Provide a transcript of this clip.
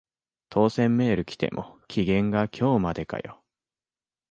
当選メール来ても期限が今日までかよ